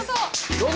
どうぞ！